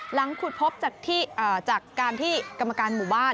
หลังขุดพบจากการที่กรรมการหมู่บ้าน